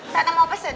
tata mau pesen